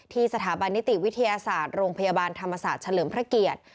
สถาบันนิติวิทยาศาสตร์โรงพยาบาลธรรมศาสตร์เฉลิมพระเกียรติ